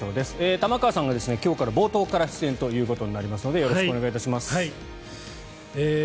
玉川さんが今日から冒頭から出演ということになりますのでよろしくお願いします。